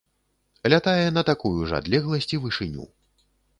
Лятае на такую ж адлегласць і вышыню.